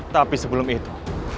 tapi sebelum itu